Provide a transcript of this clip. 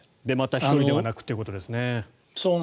また１人ではなくということですね。